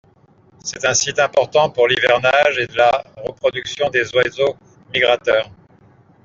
C'est un site important pour l'hivernage et de la reproduction des oiseaux migrateurs.